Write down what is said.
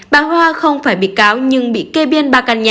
bà hoa không phải bị cáo nhưng bị kê biên ba căn nhà